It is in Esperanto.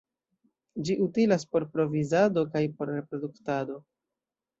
Ĝi utilas por provizado kaj por reproduktado.